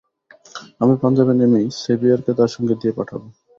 আমি পাঞ্জাবে নেমেই সেভিয়ারকে তার সঙ্গে দিয়ে পাঠাব।